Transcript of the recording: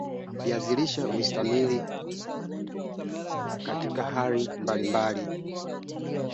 Waone madaktari wa mifugo kwa ushauri zaidi juu ya mifugo yako